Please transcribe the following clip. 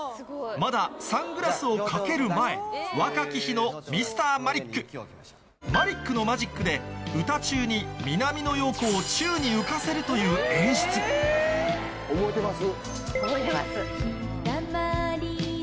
まだサングラスを掛ける前若き日のマリックのマジックで歌中に南野陽子を宙に浮かせるという演出覚えてます？